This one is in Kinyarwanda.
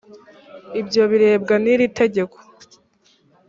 ibyo birebwa n’iri tegeko